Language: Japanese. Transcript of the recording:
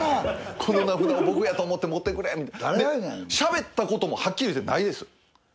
この名札を僕やと思って持ってくれしゃべったこともはっきり言ってないです。